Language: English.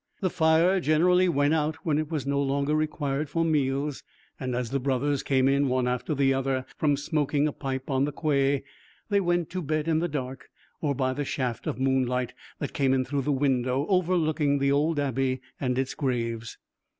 The fire generally went out when it was no longer required for meals, and as the brothers came in one after the other, from smoking a pipe on the quay, they went to bed in the dark, or by the shaft of moonlight that came in through the window overlooking the old Abbey and its graves.